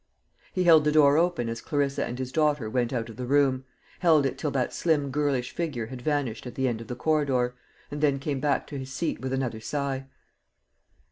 He held the door open as Clarissa and his daughter went out of the room held it till that slim girlish figure had vanished at the end of the corridor, and then came back to his seat with another sigh.